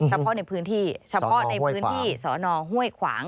เฉพาะในพื้นที่สนห้วยขวาง